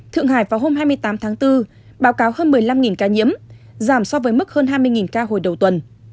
thượng hải vào hôm hai mươi tám tháng bốn báo cáo hơn một mươi năm ca nhiễm giảm so với mức hơn hai mươi ca hồi đầu tuần